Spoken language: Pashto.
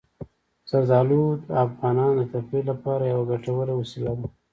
زردالو د افغانانو د تفریح لپاره یوه ګټوره وسیله ده.